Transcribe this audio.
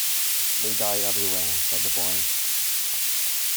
"They die everywhere," said the boy.